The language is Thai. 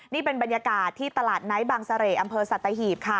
นี่เป็นบรรยากาศที่ตลาดไนท์บางเสร่อำเภอสัตหีบค่ะ